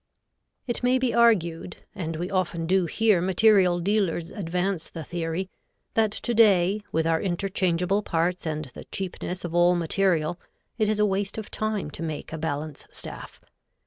It may be argued, and we often do hear material dealers advance the theory, that to day, with our interchangeable parts and the cheapness of all material, it is a waste of time to make a balance staff.